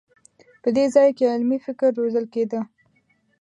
په دې ځای کې علمي فکر روزل کېده.